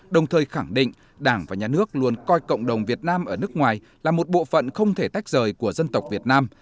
đồng thời khẳng định đảng và nhà nước luôn coi cộng đồng việt nam ở nước ngoài là một bộ phận không thể tách rời của dân tộc việt nam